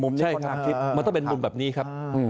มันต้องเป็นมุมแบบนี้ครับ